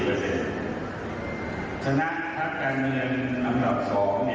ได้คะแนนลำดับที่๑